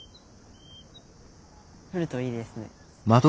降るといいですね。